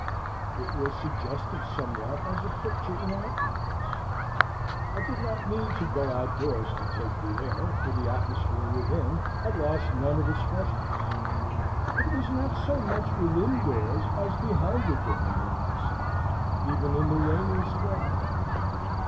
It was suggestive somewhat as a picture in outlines. I did not need to go outdoors to take the air, for the atmosphere within had lost none of its freshness. It was not so much within doors as behind a door where I sat, even in the rainiest weather.